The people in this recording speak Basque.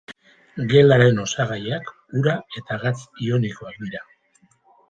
Gelaren osagaiak ura eta gatz ionikoak dira.